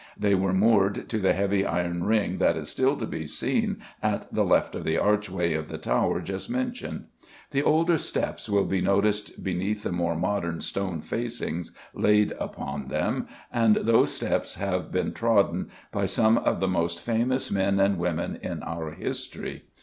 They were moored to the heavy iron ring that is still to be seen at the left of the archway of the tower just mentioned. The older steps will be noticed beneath the more modern stone facings laid upon them, and those steps have been trodden by some of the most famous men and women in our history.